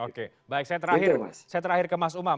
oke baik saya terakhir ke mas umam